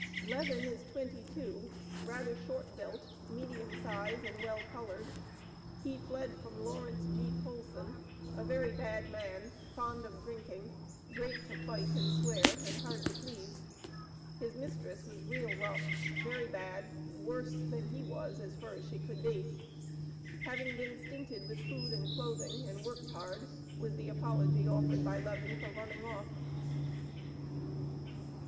Levin is twenty two, rather short built, medium size and well colored. He fled from Lawrence G. Colson, "a very bad man, fond of drinking, great to fight and swear, and hard to please." His mistress was "real rough; very bad, worse than he was as 'fur' as she could be." Having been stinted with food and clothing and worked hard, was the apology offered by Levin for running off.